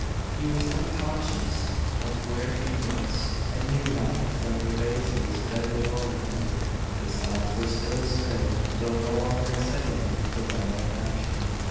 He was unconscious of where he was, and knew not the friendly faces bending over him. His thoughts were still astray, though no longer exciting him to violent action.